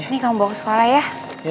ya ini kamu bawa ke sekolah ya